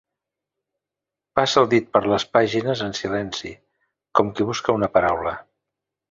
Passa el dit per les pàgines en silenci, com qui busca una paraula.